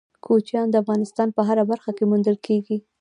کوچیان د افغانستان په هره برخه کې موندل کېږي.